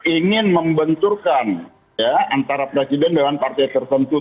ingin membenturkan ya antara presiden dengan partai tertentu